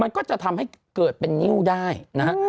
มันก็จะทำให้เกิดเป็นนิ้วได้นะฮะ